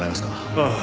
ああ。